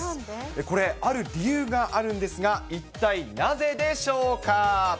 これ、ある理由があるんですが、一体なぜでしょうか。